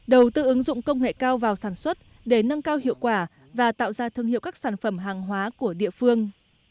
đầu tư ứng dụng công nghệ cao vào sản xuất để nâng cao hiệu quả và tạo ra thương hiệu các sản phẩm hàng hóa của địa phương